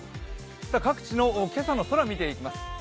各地の今朝の空、見ていきます。